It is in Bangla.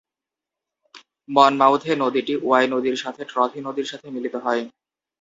মনমাউথে নদীটি ওয়াই নদীর সাথে ট্রথি নদীর সাথে মিলিত হয়।